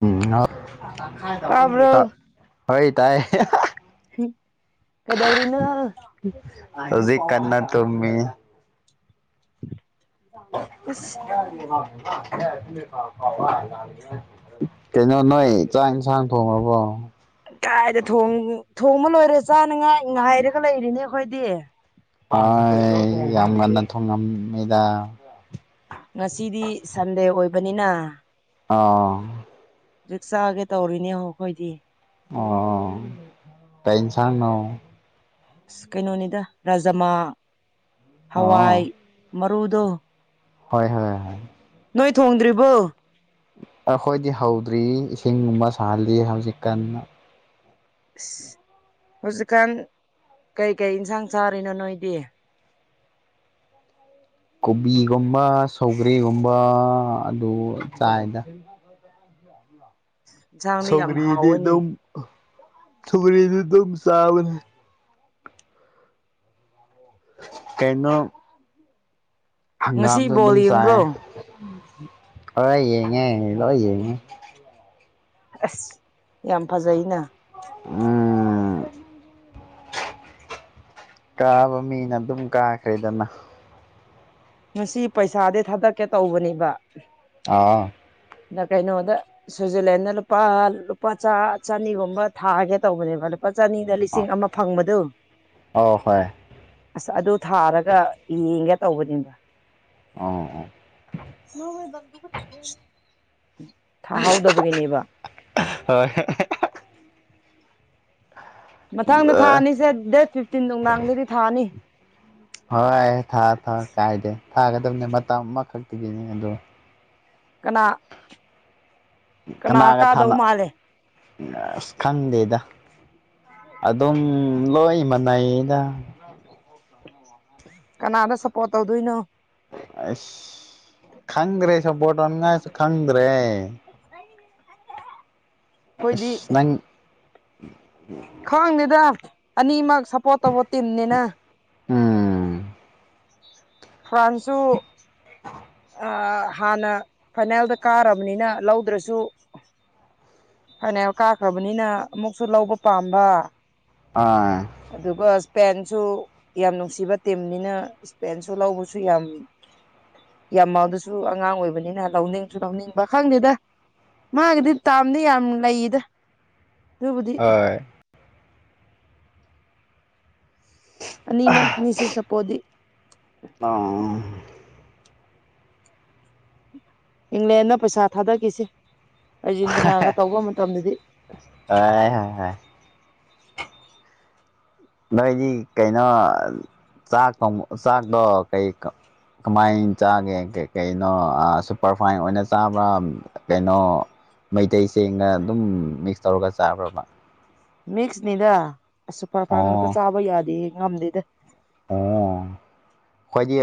ꯎꯝ ꯇꯥ ꯇꯥꯕ꯭ꯔꯣ ꯍꯣꯏ ꯇꯥꯏ ꯀꯥꯗꯧꯔꯤꯅꯣ ꯍꯧꯖꯤꯛ ꯀꯟꯅꯥ ꯇꯨꯃꯤ ꯑꯁ [inaudible] ꯀꯩꯅꯣ ꯅꯣꯏ ꯆꯥꯛ ꯏꯟꯁꯥꯡ ꯊꯣꯡꯉꯥꯕꯣ ꯀꯥꯏꯗ ꯊꯣꯡ ꯊꯣꯡꯕ ꯂꯣꯏꯔꯦ ꯆꯥꯅꯤꯉꯥꯏ ꯉꯥꯏꯔꯒ ꯂꯩꯔꯤꯅꯦ ꯑꯈꯣꯏꯗꯤ ꯑꯣꯏ ꯌꯥꯝ ꯉꯟꯅ ꯊꯣꯡꯉꯝꯃꯤꯗ ꯉꯁꯤꯗꯤ ꯁꯟꯗꯦ ꯑꯣꯏꯕꯅꯤꯅ ꯑꯥ ꯍꯧꯖꯤꯛ ꯆꯥꯒꯦ ꯇꯧꯔꯤꯅꯦ ꯍꯧ ꯑꯩꯈꯣꯏꯗꯤ ꯑꯣ ꯀꯩ ꯏꯟꯁꯥꯡꯅꯣ ꯑꯁ ꯀꯩꯅꯣꯅꯤꯗ ꯔꯥꯖꯃꯥ ꯍꯋꯥꯏ ꯑꯣ ꯃꯔꯨꯗꯣ ꯍꯣꯏ ꯍꯣꯏ ꯅꯣꯏ ꯊꯣꯡꯗ꯭ꯔꯤꯕꯣ ꯑꯩꯈꯣꯏꯗꯤ ꯍꯧꯗ꯭ꯔꯤ ꯏꯁꯤꯡꯒꯨꯝꯕ ꯁꯥꯍꯜꯂꯤ ꯍꯧꯖꯤꯛ ꯀꯟꯅ ꯏꯁ ꯍꯧꯖꯤꯛꯀꯥꯟ ꯀꯩꯀꯩ ꯏꯟꯁꯥꯡ ꯆꯥꯔꯤꯅꯣ ꯅꯣꯏꯗꯤ ꯀꯣꯕꯤꯒꯨꯝꯕ ꯁꯧꯒ꯭ꯔꯤꯒꯨꯝꯕ ꯑꯗꯨ ꯆꯥꯏꯗ ꯏꯟꯁꯥꯡꯗꯤ ꯌꯥꯝ ꯁꯧꯒ꯭ꯔꯤꯗꯤ ꯍꯥꯎꯋꯦꯅꯦ ꯑꯗꯨꯝ ꯁꯧꯒ꯭ꯔꯤꯗꯤ ꯑꯗꯨꯝ ꯆꯥꯕꯅꯦ ꯀꯩꯅꯣꯝ ꯉꯁꯤ ꯍꯪꯒꯥꯝꯖꯨ ꯕꯣꯜ ꯑꯗꯨꯝ ꯆꯥꯏ ꯌꯦꯡꯕ꯭ꯔꯣ ꯍꯣꯏ ꯍꯣꯏ ꯌꯦꯡꯉꯦ ꯂꯣꯏ ꯌꯦꯡꯉꯦ ꯑꯁ ꯌꯥꯝ ꯐꯖꯩꯅ ꯑꯥ ꯀꯥꯕ ꯃꯤꯅ ꯑꯗꯨꯝ ꯀꯥꯈ꯭ꯔꯦꯗꯅ ꯉꯁꯤ ꯄꯩꯁꯥꯗꯤ ꯊꯥꯗꯛꯀꯦ ꯇꯧꯕꯅꯦꯕ ꯑꯥ ꯀꯩꯅꯣꯗ ꯁ꯭ꯋꯤꯖꯔꯂꯦꯟꯗ ꯂꯨꯄꯥ ꯂꯨꯄꯥ ꯆꯅꯤꯒꯨꯝꯕ ꯊꯥꯒꯦ ꯇꯧꯕꯅꯦꯕ ꯂꯨꯄꯥ ꯆꯥꯅꯤꯗ ꯂꯤꯁꯤꯡ ꯑꯃ ꯐꯪꯕꯗꯨ ꯑꯣ ꯍꯣꯏ ꯑꯗꯨ ꯊꯥꯔꯒ ꯌꯦꯡꯒꯦ ꯇꯧꯕꯅꯤꯕ ꯑꯥ ꯑꯥ ꯊꯥꯍꯧꯗꯕꯒꯤꯅꯦꯕ ꯍꯣꯏ ꯍꯣꯏ ꯃꯊꯪꯗ ꯊꯥꯅꯤꯁꯦ ꯗꯦꯠ ꯐꯤꯞꯇꯤꯟ ꯅꯨꯡꯗꯥꯡꯗꯗꯤ ꯊꯥꯅꯤ ꯍꯣꯏ ꯊꯥ ꯊꯥ ꯀꯥꯏꯗꯦ ꯊꯥꯒꯗꯕꯅꯦ ꯃꯇꯝ ꯑꯃꯈꯛꯇꯒꯤꯅꯦ ꯑꯗꯨ ꯀꯅꯥ ꯀꯅꯥ ꯀꯅꯥꯒ ꯀꯥꯗꯧ ꯊꯥꯅ ꯃꯥꯜꯂꯦ ꯑꯁ ꯈꯪꯗꯦꯗ ꯑꯗꯨꯝ ꯂꯣꯏ ꯃꯅꯩꯏꯗ ꯀꯅꯥꯗ ꯁꯞꯄꯣꯠ ꯇꯧꯗꯣꯏꯅꯣ ꯑꯁ ꯈꯪꯗ꯭ꯔꯦ ꯁꯥꯄꯣꯠ ꯇꯧꯅꯤꯡꯉꯥꯏꯁꯨ ꯈꯪꯗ꯭ꯔꯦ ꯑꯩꯈꯣꯏꯗꯤ ꯑꯁ ꯅꯪ ꯈꯪꯗꯦꯗ ꯑꯅꯤꯃꯛ ꯁꯞꯄꯣꯔꯠ ꯇꯧꯕ ꯇꯤꯝꯅꯤꯅ ꯎꯝ ꯐ꯭ꯔꯥꯟꯁꯨ ꯑ ꯍꯥꯟꯅ ꯐꯥꯏꯅꯦꯜꯗ ꯀꯥꯔꯕꯅꯤꯅ ꯂꯧꯗ꯭ꯔꯁꯨ ꯐꯅꯤꯌꯥꯝ ꯀꯥꯈ꯭ꯔꯕꯅꯤꯅ ꯑꯃꯨꯛꯁꯨ ꯂꯧꯕ ꯄꯥꯝꯕ [unintelligible] ꯑꯗꯨꯒ ꯏꯁꯄꯦꯟꯁꯨ ꯌꯥꯝ ꯅꯨꯡꯁꯤꯕ ꯇꯤꯝꯅꯤꯅ ꯏꯁꯄꯦꯟꯁꯨ ꯂꯧꯕꯁꯨ ꯌꯥꯝ ꯌꯥꯝꯃꯥꯜ ꯗꯨꯁꯨ ꯑꯉꯥꯡ ꯑꯣꯏꯕꯅꯤꯅ ꯂꯧꯅꯤꯡꯁꯨ ꯂꯧꯅꯤꯡꯕ ꯈꯪꯗꯦꯗ ꯃꯥꯒꯤꯗꯤ ꯇꯥꯝꯗꯤ ꯌꯥꯝ ꯂꯩꯌꯦꯗ ꯑꯗꯨꯕꯨꯗꯤ ꯍꯣꯏ ꯑꯅꯤꯃꯛꯅꯤꯁꯦ ꯁꯄꯣꯗꯤ [unintelligible] ꯏꯪꯂꯦꯟꯅ ꯄꯩꯁꯥ ꯊꯥꯗꯈꯤꯁꯦ ꯀꯖꯤꯟꯇꯅꯥꯒ ꯇꯧꯕ ꯃꯇꯝꯗꯗꯤ [unintelligible] ꯅꯣꯏꯒꯤ ꯀꯩꯅꯣ ꯆꯥꯛ ꯆꯥꯛꯇꯣ ꯀꯩ ꯀꯃꯥꯏꯅ ꯆꯥꯒꯦ ꯀꯩꯅꯣ ꯁꯨꯄꯔꯐꯥꯏꯟ ꯑꯣꯏꯅ ꯆꯥꯕ꯭ꯔꯥ ꯀꯩꯅꯣ ꯃꯩꯇꯩ ꯆꯦꯡꯒ ꯑꯗꯨꯝ ꯃꯤꯛꯁ ꯇꯧꯔꯒ ꯆꯥꯕ꯭ꯔꯕ ꯃꯤꯛꯁꯅꯤꯗ ꯑꯁ ꯁꯨꯄꯔꯐꯥꯏ ꯉꯛꯇ ꯑꯣ ꯆꯥꯕ ꯌꯥꯗꯦ ꯉꯝꯗꯦꯗ [unintelligible] ꯈ꯭ꯣꯏꯏꯗꯤ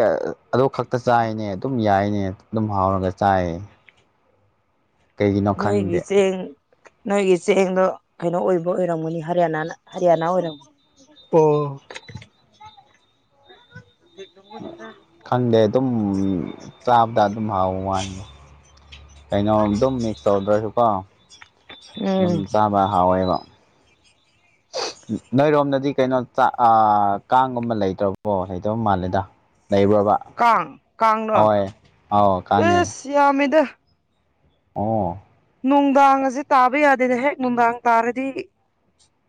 ꯑꯗꯨ ꯈꯛꯇ ꯆꯥꯏꯅꯦ ꯑꯗꯨꯝ ꯌꯥꯏꯅꯦ ꯑꯗꯨꯝ ꯍꯥꯎꯔꯒ ꯆꯥꯏꯌꯦ ꯀꯩꯒꯤꯅꯣ ꯅꯣꯏꯒꯤ ꯈꯪꯗꯦ ꯆꯦꯡ ꯅꯣꯏꯒꯤ ꯆꯦꯡꯗꯣ ꯀꯩꯅꯣ ꯑꯣꯏꯕ ꯑꯣꯏꯔꯝꯒꯅꯤ ꯍꯔꯤꯌꯥꯅꯥꯅ ꯍꯔꯤꯌꯥꯅꯥ ꯑꯣꯏꯔꯝꯒꯅꯤ ꯑꯣ ꯈꯪꯗꯦ ꯑꯗꯨꯝ ꯆꯥꯕꯗ ꯑꯗꯨꯝ ꯍꯥꯎꯕ ꯋꯥꯅꯤꯗ ꯀꯩꯅꯣꯝ ꯑꯗꯨꯝ ꯃꯤꯛꯁ ꯇꯧꯗ꯭ꯔꯁꯨꯀꯣ ꯑꯗꯨꯝ ꯎꯝ ꯆꯥꯕ ꯍꯥꯎꯋꯦꯀꯣ ꯅꯣꯏꯔꯣꯝꯗꯗꯤ ꯀꯩꯅꯣ ꯀꯥꯡꯒꯨꯝꯕ ꯂꯩꯇ꯭ꯔꯕꯣ ꯂꯩꯇꯕ ꯃꯥꯜꯂꯦꯗ ꯂꯩꯕꯕ ꯀꯥꯡ ꯀꯥꯡꯂꯣ ꯑꯥꯎ ꯀꯥꯡꯅꯦ ꯑꯦꯁ ꯌꯥꯝꯃꯤꯗ ꯑꯣ ꯅꯨꯡꯗꯥꯡ ꯑꯁꯤ ꯇꯥꯕ ꯌꯥꯗꯦꯅꯦ ꯍꯦꯛ ꯅꯨꯡꯗꯥꯡ ꯇꯥꯔꯗꯤ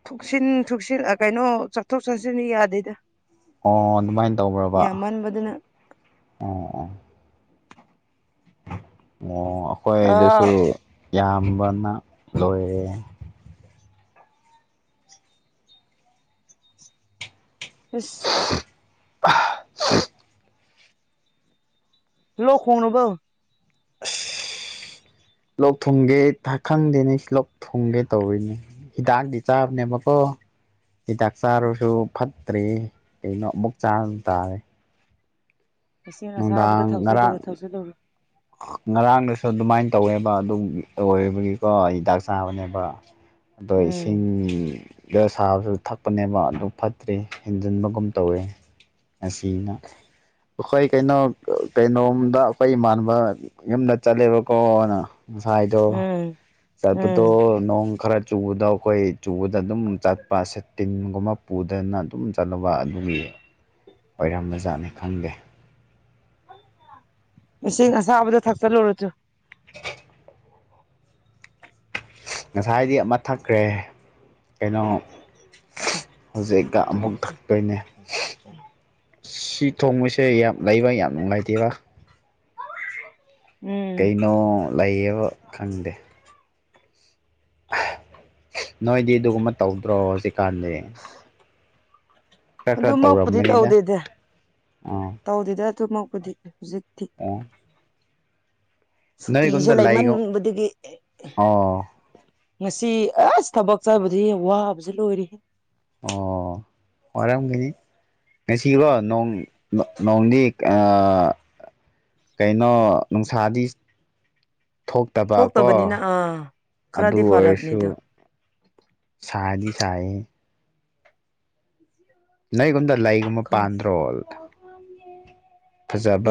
ꯊꯨꯛꯁꯤꯟ ꯊꯨꯛꯁꯤꯟ ꯑꯥ ꯀꯩꯅꯣ ꯆꯠꯊꯣꯛ ꯆꯠꯁꯤꯟ ꯌꯥꯗꯦꯗ ꯑꯣ ꯑꯗꯨꯃꯥꯏꯅ ꯇꯧꯕ꯭ꯔꯕ ꯌꯥꯝꯃꯟꯕꯗꯨꯅ ꯑꯣ ꯑꯣ ꯑꯣ ꯑꯩꯈꯣꯏꯗꯁꯨ ꯑꯥ ꯌꯥꯝꯕꯅ ꯂꯣꯏꯔꯦ ꯍꯁ [unintelligible] ꯂꯣ ꯈꯣꯡꯅꯕꯨ [inaudible] ꯂꯣꯛ ꯊꯨꯡꯒꯦ ꯊ ꯈꯪꯗꯦꯅꯦ ꯂꯣꯛ ꯊꯨꯡꯒꯦ ꯇꯧꯔꯤꯅꯦ ꯍꯤꯗꯥꯛꯗꯤ ꯆꯕꯅꯦꯕꯀꯣ ꯍꯤꯗꯥꯛ ꯆꯥꯔꯁꯨ ꯐꯠꯇ꯭ꯔꯔꯤ ꯀꯩꯅꯣ ꯑꯃꯨꯛ ꯆꯥꯔꯁꯨ ꯇꯥꯔꯦ ꯇꯁꯦꯡꯅꯁꯥꯕꯗ ꯅꯨꯡꯗꯥꯡ ꯉꯔꯥꯡ ꯊꯧꯖꯤꯜꯂꯨꯔꯣ ꯊꯧꯖꯤꯜꯂꯨꯔꯦ ꯉꯔꯥꯡꯗꯁꯨ ꯑꯗꯨꯃꯥꯏ ꯇꯧꯋꯦꯕ ꯑꯗꯨꯝ ꯂꯣꯏꯕꯒꯤꯀꯣ ꯑꯩ ꯍꯤꯗꯥꯛ ꯆꯥꯕꯅꯦꯕ ꯗꯣ ꯎꯝ ꯏꯁꯤꯡ ꯗꯁ ꯑꯗꯨ ꯊꯛꯄꯅꯦꯕ ꯑꯗꯨ ꯐꯠꯇ꯭ꯔꯤ ꯍꯦꯟꯖꯟꯕꯒꯨꯝ ꯇꯧꯋꯦ ꯉꯥꯁꯤꯅ ꯍꯣꯏ ꯀꯩꯅꯣ ꯀꯩꯅꯣꯝꯗ ꯑꯩꯈꯣꯏ ꯏꯃꯥꯟ ꯌꯨꯝꯗ ꯆꯠꯂꯦꯕꯀꯣꯅ ꯉꯁꯥꯏꯗꯣ ꯎꯝ ꯆꯠꯄꯗꯣ ꯎꯝ ꯅꯣꯡ ꯈꯔ ꯆꯨꯕꯗ ꯑꯩꯈꯣꯏ ꯆꯨꯕꯗ ꯑꯗꯨꯝ ꯆꯠꯄ ꯁꯇꯤꯟꯒꯨꯝꯕ ꯄꯨꯗꯅ ꯑꯗꯨꯝ ꯆꯠꯂꯨꯅꯕ ꯑꯗꯨꯒꯤ ꯑꯣꯏꯔꯝꯕ ꯖꯥꯠꯅꯤ ꯈꯪꯗꯦ ꯁ ꯉꯁꯥꯕꯗ ꯊꯛꯛꯇ ꯂꯧꯔꯠꯇꯣ [unintelligible] ꯉꯁꯥꯏꯗꯤ ꯑꯃ ꯊꯛꯈ꯭ꯔꯦ ꯀꯩꯅꯣ ꯍꯧꯖꯤꯛꯀ ꯑꯃꯨꯛ ꯊꯛꯇꯣꯏꯅꯦ ꯁꯤ ꯊꯣꯡꯕꯁꯦ ꯌꯥꯝ ꯂꯩꯕ ꯌꯥꯝ ꯅꯨꯡꯉꯥꯏꯇꯦꯕ ꯎꯝ ꯀꯩꯅꯣ ꯂꯩꯌꯦꯕ ꯈꯪꯗꯦ ꯅꯣꯏꯗꯤ ꯑꯗꯨꯒꯨꯝꯕ ꯇꯧꯗ꯭ꯔꯣ ꯍꯧꯖꯤꯛꯀꯥꯟꯗꯤ ꯈꯔ ꯈꯔ ꯑꯗꯨꯃꯛꯄꯨꯗꯤ ꯇꯧꯔꯝꯒꯅꯤꯗ ꯇꯧꯗꯦꯗ ꯑꯥ ꯇꯧꯗꯦꯗ ꯑꯗꯨꯃꯛꯄꯨꯗꯤ ꯍꯧꯖꯤꯛꯇꯤ ꯑꯣ ꯁꯨꯇꯤꯖꯨ ꯅꯣꯏꯒꯨꯝꯗ ꯂꯩꯒ ꯂꯩꯃꯟꯕꯗꯒꯤ ꯑꯣ ꯉꯁꯤ ꯑꯁ ꯊꯕꯛ ꯆꯠꯕꯗꯤ ꯋꯥꯕꯁꯤ ꯂꯣꯏꯔꯦ ꯑꯣ ꯋꯥꯔꯝꯒꯅꯤ ꯉꯁꯤꯀ‌ꯣ ꯅꯣꯡ ꯅ‌ꯣꯡꯗꯤ ꯑꯥ ꯀꯩꯅꯣ ꯅꯨꯡꯁꯥꯗꯤ ꯊꯣꯛꯇꯕꯀꯣ ꯊꯣꯛꯇꯕꯅꯤꯅ ꯑꯥ ꯑꯗꯨ ꯈꯔꯗꯤ ꯑꯣꯏꯔꯁꯨ ꯐꯔꯕꯅꯤꯗꯣ ꯁꯥꯗꯤ ꯁꯥꯌꯦ ꯅꯩꯒꯨꯝꯗ ꯂꯩꯒꯨꯝꯕ ꯈꯪꯉꯦ ꯄꯥꯟꯗ꯭ꯔꯣ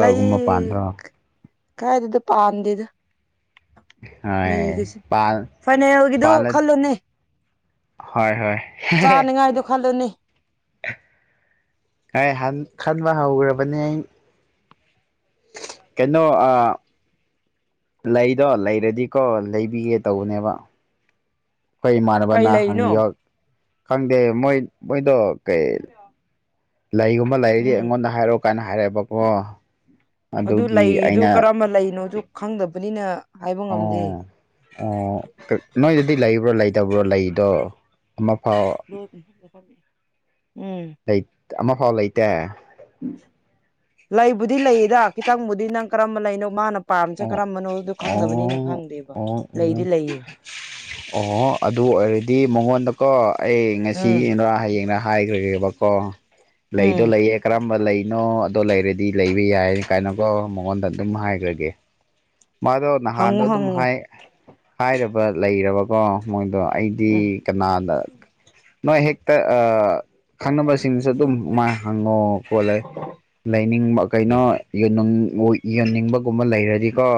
ꯂꯩ ꯄꯥꯟꯗ꯭ꯔꯣ ꯀꯥꯏꯗꯦꯗ ꯄꯥꯝꯗꯦꯗ ꯍꯣꯏ ꯂꯩꯒꯁꯦ ꯐꯥꯏꯅꯦꯜꯒꯤꯗꯣ ꯄꯥꯜꯂ ꯈꯜꯂꯨꯅꯦ ꯍꯣꯏ ꯍꯣꯏ ꯆꯥꯅꯤꯉꯥꯏꯗꯣ ꯈꯜꯂꯨꯅꯤ ꯍꯥꯏ ꯍꯟ ꯈꯟꯕ ꯍꯧꯒ꯭ꯔꯕꯅꯦ ꯑꯩ ꯀꯩꯅꯣ ꯑ ꯂꯩꯗꯣ ꯂꯩꯔꯗꯤꯀꯣ ꯂꯩꯕꯤꯒꯦ ꯇꯧꯕꯅꯦꯕ ꯈ‌ꯣꯏ ꯀꯩ ꯏꯃꯥꯟꯅꯕꯅ ꯂꯩꯅꯣ ꯍꯪꯕꯤꯌꯣ ꯈꯪꯗꯦ ꯃꯣꯏ ꯃꯣꯏꯗꯣ ꯀꯩ ꯂꯩꯒꯨꯝꯕ ꯂꯩꯔꯗꯤ ꯎꯝ ꯑꯩꯉꯣꯟꯗ ꯍꯥꯏꯔꯛꯣ ꯀꯥꯏꯅ ꯍꯥꯏꯔꯛꯑꯦꯕꯀꯣ ꯑꯗꯨ ꯑꯗꯨꯒꯤ ꯂꯩꯗꯨ ꯑꯩꯅ ꯀꯔꯝꯕ ꯂꯩꯅꯣꯁꯨ ꯈꯪꯗꯕꯅꯤꯅ ꯍꯥꯏꯕ ꯉꯝꯗꯦ ꯑꯣ ꯑꯣ ꯅꯣꯏꯗꯗꯤ ꯂꯩꯕ꯭ꯔꯣ ꯂꯩꯇꯕ꯭ꯔꯣ ꯂꯩꯗꯣ ꯑꯃꯐꯥꯎ ꯎꯝ ꯂꯩ ꯑꯃꯐꯥꯎ ꯂꯩꯇꯦ ꯂꯩꯕꯨꯗꯤ ꯂꯩꯌꯦꯗ ꯈꯤꯇꯪꯕꯨꯗꯤ ꯅꯪ ꯀꯔꯝꯕ ꯂꯩꯅꯣ ꯃꯥꯅ ꯄꯥꯝꯁꯦ ꯀꯔꯝꯕꯅꯣꯗ ꯈꯪꯗꯕꯅꯤꯅ ꯑꯣ ꯈꯪꯗꯦꯕ ꯑꯣ ꯑꯣ ꯂꯩꯗꯤ ꯂꯩꯌꯦ ꯑꯣ ꯑꯗꯨ ꯑꯣꯏꯔꯗꯤ ꯃꯉꯣꯟꯗꯀꯣ ꯑꯩ ꯉꯁꯤ ꯎꯝ ꯍꯌꯦꯡꯅ ꯍꯥꯏꯈ꯭ꯔꯒꯦꯕ ꯑꯣ ꯂꯩꯗꯣ ꯎꯝ ꯂꯩꯌꯦꯛ ꯀꯔꯝꯕ ꯂꯩꯅꯣ ꯑꯗꯣ ꯂꯩꯔꯗꯤ ꯂꯩꯕ ꯌꯥꯏ ꯀꯥꯏꯅꯀꯣ ꯃꯉꯣꯟꯗ ꯑꯗꯨꯝ ꯍꯥꯏꯈ꯭ꯔꯒꯦ ꯃꯥꯗꯣ ꯅꯍꯥꯟꯗꯣ ꯍꯪꯉꯨ ꯑꯗꯨꯝ ꯍꯪꯉꯨ ꯍꯥꯏ ꯍꯥꯏꯔꯕ ꯂꯩꯔꯕꯀꯣ ꯃꯣꯏꯗꯣ ꯑꯩꯗꯤ ꯎꯝ ꯀꯅꯥ ꯅꯣꯏ ꯍꯦꯛꯇ ꯑꯥ ꯈꯪꯅꯕꯁꯤꯡꯁꯨ ꯑꯗꯨꯝ ꯃꯥ ꯍꯪꯉꯣ ꯈꯣꯠꯂꯦ ꯂꯩꯅꯤꯡꯕ ꯀꯩꯅꯣ ꯌꯣꯟ ꯌꯣꯟꯅꯤꯡꯕꯒꯨꯝꯕ ꯂꯩꯔꯗꯤ ꯀꯣ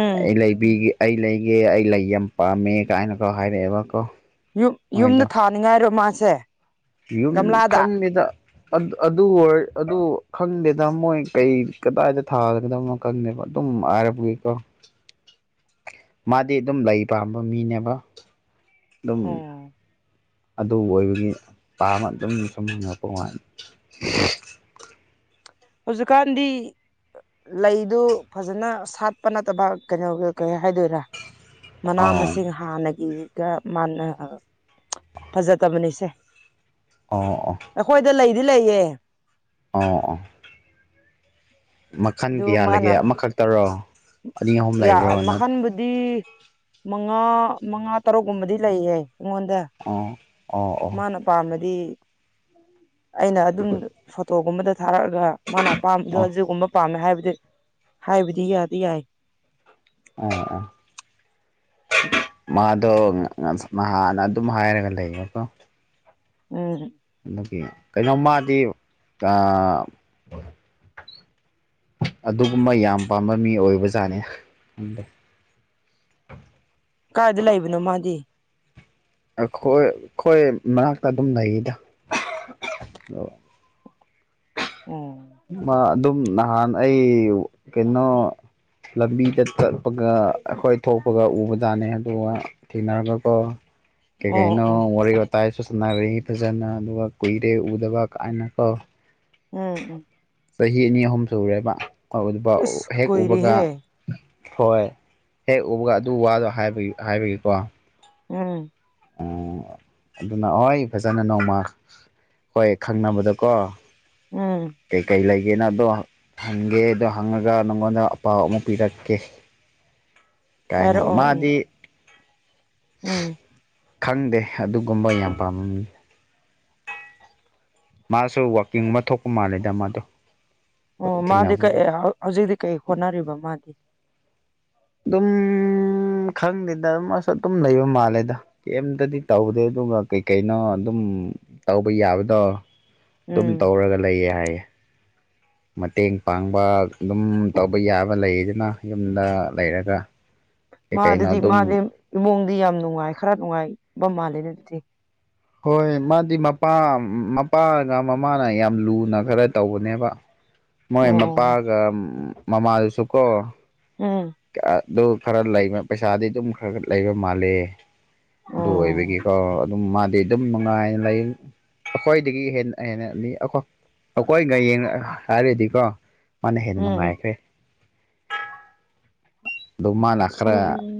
ꯎꯝ ꯑꯩ ꯂꯩꯕꯤꯒꯦ ꯑꯩ ꯂꯩꯒꯦ ꯑꯩ ꯂꯩꯒꯦ ꯌꯥꯝ ꯄꯥꯝꯃꯦ ꯀꯥꯏꯅꯀꯣ ꯍꯥꯏꯔꯛꯑꯦꯕꯀꯣ ꯌꯨꯝ ꯃꯣꯏꯗꯣ ꯌꯨꯝꯗ ꯊꯥꯅꯤꯡꯉꯥꯏꯔꯣ ꯃꯥꯁꯦ ꯌꯨꯝ ꯒꯝꯂꯥꯗ ꯈꯪꯗ‌ꯦ ꯗ ꯑꯗꯨ ꯑꯣꯏ ꯑꯗꯨ ꯈꯟꯗꯦꯗ ꯃꯣꯏ ꯀꯩ ꯀꯗꯥꯏꯗ ꯊꯥꯒꯗꯕꯅꯣ ꯀꯪꯅꯕ ꯑꯗꯨꯝ ꯍꯥꯏꯔꯕꯨꯏꯀꯣ ꯃꯥꯗꯤ ꯑꯗꯨꯝ ꯂꯩ ꯄꯥꯝꯕ ꯃꯤꯅꯦꯕ ꯑꯗꯨꯝ ꯑꯣ ꯑꯗꯨ ꯑꯣꯏꯕꯒꯤ ꯄꯥꯃ ꯑꯗꯨꯝ ꯁꯨꯝ ꯍꯥꯉꯛꯄ ꯃꯂ‌ꯦ ꯍꯧꯖꯤꯛꯀꯥꯟꯗꯤ ꯂꯩꯗꯨ ꯐꯖꯅ ꯁꯥꯠꯄ ꯅꯠꯇꯕ ꯀꯩꯅꯣꯒ ꯀꯩ ꯍꯥꯏꯗꯣꯏꯔ ꯃꯅꯥ ꯑꯥ ꯃꯁꯤꯡ ꯍꯥꯟꯅꯒꯤꯒ ꯃꯥꯟꯅ ꯐꯖꯗꯕꯅꯤꯁꯦ ꯑꯣ ꯑꯣ ꯑꯩꯈꯣꯏꯗ ꯂꯩꯗꯤ ꯂꯩꯌꯦ ꯑꯣ ꯑꯣ ꯃꯈꯜ ꯑꯗꯨ ꯀꯌꯥꯂꯩꯒꯦ ꯑꯃꯈꯛꯇꯔꯣ ꯑꯅꯤ ꯑꯍꯨꯝ ꯌꯥ ꯂꯩꯕ꯭ꯔꯣ ꯅꯠ ꯃꯈꯟꯕꯨ ꯗꯤ ꯃꯉꯥ ꯃꯉꯥ ꯇꯔꯨꯛꯀꯨꯝꯕꯗꯤ ꯂꯩꯌꯦ ꯑꯩꯉꯣꯟꯗ ꯑꯣ ꯑꯣ ꯑꯣ ꯑꯄꯥꯥꯝꯝꯕꯗꯤ ꯑꯩꯅ ꯑꯗꯨꯝ ꯐꯣꯇꯣꯒꯨꯝꯕꯗ ꯊꯥꯔꯛꯑꯒ ꯃꯥꯅ ꯑꯣ ꯑꯄꯥꯝꯒꯖꯨ ꯗꯨꯒꯨꯝꯕ ꯄꯥꯝꯃꯦ ꯍꯥꯏꯕꯗꯤ ꯍꯥꯏꯕꯗꯤ ꯌꯥꯗꯤ ꯌꯥꯏ ꯑꯣ ꯑꯣ ꯃꯥꯗꯣ ꯅꯥꯟꯅ ꯑꯗꯨꯝ ꯍꯥꯏꯔꯒ ꯂꯩꯌꯦꯀꯣ ꯎꯝ ꯑꯗꯨꯒꯤ ꯀꯩꯅꯣꯃꯗꯤ ꯑꯗꯨꯒꯨꯝꯕ ꯌꯥꯝ ꯄꯥꯝꯕ ꯃꯤ ꯑꯣꯏꯕꯖꯥꯠꯅꯦ ꯀꯥꯏꯏꯗ ꯂꯩꯕꯅꯣ ꯃꯥꯗꯤ ꯑꯩꯈꯣꯏ ꯑꯩꯈꯣꯏ ꯃꯅꯥꯛꯇ ꯑꯗꯨꯝ ꯂꯩꯔꯤꯗ ꯎꯝ ꯑꯗꯨꯝ ꯅꯍꯥꯟ ꯑꯩ ꯀꯩꯅꯣ ꯂꯝꯕꯤꯗ ꯆꯠꯄꯒ ꯑꯩꯈꯣꯏ ꯊꯣꯛꯄꯒ ꯎꯕꯖꯥꯠꯅꯦ ꯑꯗꯨꯒ ꯊꯤ ꯃꯔꯒꯣꯀꯣ ꯀꯩ ꯑꯣ ꯀꯩꯅꯣ ꯑꯣ ꯋꯥꯔꯤ ꯋꯥꯇꯥꯏꯁꯨ ꯁꯥꯟꯅꯔꯛꯏ ꯐꯖꯅ ꯑꯗꯨꯒ ꯀꯨꯏꯔꯦ ꯎꯗꯕ ꯀꯥꯏꯅꯀꯣ ꯎꯝ ꯎꯝ ꯆꯍꯤ ꯑꯅꯤ ꯑꯍꯨꯝ ꯁ ꯎꯔꯦꯕ ꯍ ꯑꯗꯨ ꯏꯁ ꯍꯦꯛ ꯎꯕꯒ ꯀꯨꯏꯔꯦꯍꯦ ꯍꯣꯏ ꯍꯦꯛ ꯎꯕꯒ ꯑꯗꯨ ꯋꯥꯗꯣ ꯍꯥꯏꯕ ꯍꯥꯏꯕꯒꯤꯀꯣ ꯎꯝ ꯑꯗꯨꯅ ꯍꯣꯏ ꯐꯖꯅ ꯅꯣꯡꯃ ꯍꯣꯏ ꯈꯪꯅꯕꯗꯀꯣ ꯎꯝ ꯀꯩꯀꯩ ꯂꯩꯒꯦꯅ ꯑꯗꯣ ꯍꯪꯒꯦ ꯑꯗꯣ ꯍꯪꯉꯒ ꯅꯪꯉꯣꯟꯗ ꯑꯄꯥꯎ ꯑꯃꯨꯛ ꯄꯤꯔꯛꯀꯦ ꯀꯥꯏꯅ ꯍꯔꯛꯑꯣ ꯃꯥꯗꯤ ꯎꯝ ꯎꯝ ꯈꯪꯗꯦ ꯑꯗꯨꯒꯨꯝꯕ ꯌꯥꯝ ꯄꯥꯝꯃꯝꯃꯤ ꯃꯥꯁꯨ ꯋꯥꯛꯀꯤꯡ ꯑꯃ ꯊꯣꯛꯄ ꯃꯥꯜꯂꯦꯗ ꯃꯥꯗꯣ ꯑꯣ ꯍꯣꯏ ꯃꯥꯗꯤ ꯊꯦꯡꯅꯕꯗꯣ ꯀꯩ ꯍꯧꯖꯤꯛꯇꯤ ꯀꯩ ꯍꯣꯠꯅꯔꯤꯕ ꯃꯥꯗꯤ ꯑꯗꯨꯝ ꯈꯪꯗꯦꯗꯝ ꯑꯁ ꯑꯗꯨꯝ ꯂꯩꯕ ꯃꯥꯜꯂꯦꯗ ꯀꯩꯝꯇꯗꯤ ꯇꯧꯗꯦ ꯑꯗꯨꯒ ꯀꯩꯀꯩꯅꯣ ꯑꯗꯨꯝ ꯇꯧꯕ ꯌꯥꯕꯗꯣ ꯑꯗꯨꯝ ꯎꯝ ꯇꯧꯔꯒ ꯂꯩꯌꯦ ꯍꯥꯏꯌꯦꯦ ꯃꯇꯦꯡ ꯄꯥꯡꯕ ꯑꯗꯨꯝ ꯇꯧꯕ ꯌꯥꯕ ꯂꯩꯗꯅ ꯌꯨꯝꯗ ꯂꯩꯔꯒ ꯀꯩ ꯃꯥ ꯀꯩꯅꯣ ꯑꯗꯨꯗꯤ ꯑꯗꯨꯝ ꯃꯥꯗꯤ ꯏꯃꯨꯡꯗꯤ ꯌꯥꯝ ꯅꯨꯡꯉꯥꯏ ꯈꯔ ꯅꯨꯡꯉꯥꯏꯕ ꯃꯥꯜꯂꯦꯅꯦ ꯑꯗꯨꯗꯤ ꯍꯣꯏ ꯃꯥꯗꯤ ꯃꯄꯥ ꯃꯄꯥꯒ ꯃꯃꯥꯅ ꯌꯥꯝ ꯂꯨꯅ ꯈꯔ ꯇꯧꯕꯅꯦꯕ [inaudible] ꯃꯣꯏ ꯑꯣ ꯃꯄꯥꯒ ꯃꯃꯥꯗꯨꯁꯨ ꯀꯣ ꯎꯝ ꯑꯗꯨ ꯈꯔ ꯂꯩꯕ ꯄꯩꯁꯥꯗꯤ ꯑꯗꯨꯝ ꯈꯔ ꯈꯔ ꯂꯩꯕ ꯃꯥꯜꯂꯦ ꯗ ꯑꯣꯏꯕꯒꯤ ꯑꯣ ꯀ ꯑꯗꯨꯝ ꯃꯥꯗꯤ ꯑꯗꯨꯝ ꯅꯨꯡꯉꯥꯏꯅ ꯂꯩ ꯑꯩꯈꯣꯏꯗꯒꯤ ꯍꯦꯟꯅ ꯍꯦꯟꯅꯅꯤ ꯑꯩꯈꯣꯏ ꯑꯩꯈꯣꯏꯒꯡ ꯍꯥꯏꯔꯗꯤꯀꯣ ꯃꯥꯅ ꯍꯦꯟꯅ ꯎꯝ ꯅꯨꯡꯉꯥꯏꯈ꯭ꯔꯦ ꯑꯗꯣ ꯃꯥꯅ ꯈꯔ ꯎꯝ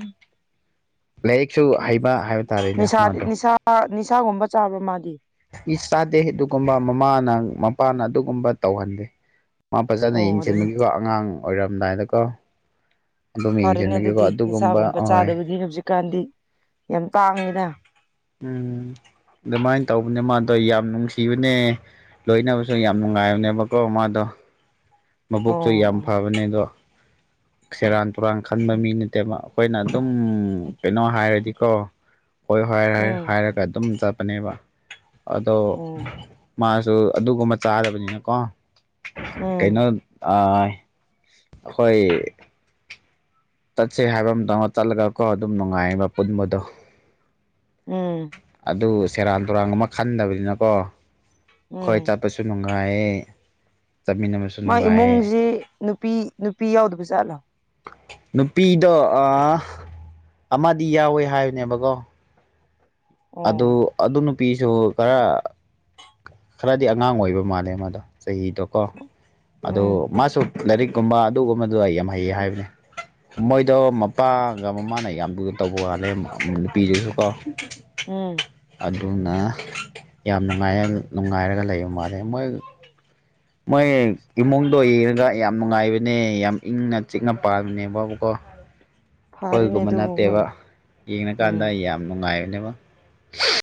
ꯂꯥꯏꯔꯤꯛꯁꯨ ꯍ ꯅꯤꯁꯥꯗꯤ ꯅꯤꯁꯥ ꯅꯤꯁꯥꯒꯨꯝꯕ ꯆꯥꯕ꯭ꯔ ꯃꯥꯗꯤ ꯃꯤ ꯆꯥꯗꯦ ꯑꯗꯨꯒꯨꯝꯕ ꯃꯃꯥꯅ ꯃꯄꯥꯅ ꯑꯗꯨꯒꯨꯝꯕ ꯇꯧꯍꯟꯗꯦ ꯃꯥ ꯐꯖꯅ ꯑꯣ ꯑꯗꯨꯅꯦ ꯌꯦꯡꯁꯤꯟꯕꯒꯤꯀꯣ ꯑꯉꯥꯡ ꯑꯣꯏꯔꯝꯗꯥꯏꯗꯀꯣ ꯑꯗꯨꯝ ꯐꯔꯦꯅꯦ ꯌꯦꯡꯁꯤꯟꯂꯒꯦꯀꯣ ꯑꯗꯨꯒꯨꯝꯕ ꯑꯍꯣꯏ ꯀꯥꯟꯗꯤ ꯌꯥꯝ ꯇꯥꯡꯉꯤꯅ ꯎꯝ ꯑꯗꯨꯃꯥꯏꯅ ꯇꯧꯕꯅꯦ ꯃꯥꯗꯣ ꯑꯩ ꯌꯥꯝ ꯅꯨꯡꯁꯤꯕꯅꯦ ꯂꯣꯏꯅꯕꯁꯨ ꯌꯥꯝ ꯅꯨꯡꯉꯥꯏꯕꯅꯦꯕꯀꯣ ꯃꯥꯗꯣ ꯑꯣ ꯃꯕꯨꯣꯛꯁꯨ ꯌꯥꯝ ꯑꯣ ꯐꯕꯅꯦ ꯑꯗꯣ ꯁꯦꯔꯥꯟ ꯇꯨꯔꯥꯟ ꯈꯟꯕ ꯃꯤ ꯅꯠꯇꯦꯕ ꯑꯩꯈꯣꯏꯅ ꯑꯗꯨꯝ ꯀꯩꯅꯣ ꯍꯥꯏꯔꯗꯤꯀꯣ [inaudible] ꯍꯣꯏ ꯍꯣꯏ ꯎꯝ ꯍꯥꯏꯔꯒ ꯑꯗꯨꯝ ꯆꯠꯄꯅꯦꯕ ꯑꯗꯣ ꯎꯝ ꯃꯥꯁꯨ ꯑꯗꯨꯒꯨꯝꯕ ꯆꯥꯗꯕꯅꯤꯅꯀꯣ ꯀꯩꯅꯣ ꯎꯝ ꯑꯩꯈꯣꯏ ꯆꯠꯁꯦ ꯍꯥꯏꯕ ꯑꯃ ꯃꯇꯝꯗ ꯆꯠꯂꯒꯀꯣ ꯑꯗꯨꯝ ꯅꯨꯡꯉꯥꯏꯕ ꯄꯨꯟꯕꯗꯣ ꯎꯝ ꯑꯗꯨ ꯁꯦꯔꯥꯟ ꯇꯨꯔꯥꯟ ꯑꯃ ꯈꯟꯗꯕꯅꯤꯅꯀꯣ ꯑꯩꯣꯏ ꯎꯝ ꯆꯠꯄꯁꯨ ꯁ ꯅꯨꯡꯉꯥꯏꯌꯦ ꯆꯠꯃꯤꯟꯅꯕꯁꯨ ꯃꯥ ꯅꯨꯡꯉꯥꯏꯌꯦ ꯏꯃꯨꯡꯁꯤ ꯅꯨꯄꯤ ꯅꯨꯄꯤ ꯌꯥꯎꯗꯕ ꯆꯥꯠꯂꯣ ꯅꯨꯄꯤꯗꯣ ꯑꯃꯗꯤ ꯌꯥꯎꯋꯦ ꯍꯥꯏꯕꯅꯦꯕꯀꯣ ꯑꯗꯨ ꯑꯣ ꯑꯗꯨ ꯅꯨꯄꯤꯁꯨ ꯈꯔ ꯈꯔꯗꯤ ꯑꯉꯥꯡ ꯑꯣꯏꯕ ꯃꯥꯜꯂꯦ ꯃꯥꯗꯣ ꯆꯍꯤꯗꯣꯀꯣ ꯑ ꯎꯝ ꯃꯥꯁꯨ ꯂꯥꯏꯔꯤꯛꯀꯨꯝꯕ ꯑꯗꯨꯒꯨꯝꯕꯗꯣ ꯑꯩ ꯌꯥꯝ ꯍꯩꯌꯦ ꯍꯥꯏꯕꯅꯦ ꯃꯣꯏꯗꯣ ꯃꯄꯥꯒ ꯃꯃꯥꯅ ꯌꯥꯝ ꯊꯨꯅ ꯇꯧꯕ ꯋꯥꯜꯂꯦ ꯅꯨꯄꯤꯗꯨꯁꯨꯀꯣ ꯎꯝ ꯑꯗꯨꯅ ꯌꯥꯝ ꯅꯨꯡꯉꯥꯏ ꯅꯨꯡꯉꯥꯏꯔꯒ ꯂꯩꯕ ꯃꯥꯜꯂꯦ ꯃꯣꯏ ꯃꯣꯏ ꯏꯃꯨꯡꯗꯣ ꯌꯦꯡꯉꯒ ꯌꯥꯝ ꯅꯨꯡꯉꯥꯏꯕꯅꯦ ꯌꯥꯝ ꯏꯪꯅ ꯆꯤꯛꯅ ꯄꯥꯃꯤꯅꯦꯕꯕꯀꯣ ꯐꯔꯦꯅꯦ ꯍꯣꯜꯒꯨꯝꯕ ꯅꯠꯇꯦꯕ ꯑꯗꯨꯒꯨꯝꯕꯗꯤ ꯎꯝ ꯌꯦꯡꯉꯀꯥꯟꯗ ꯌꯥꯝ ꯅꯨꯡꯉꯥꯏꯕꯅꯦꯕ